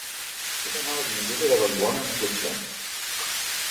He d'anar a l'avinguda de Vallbona amb cotxe.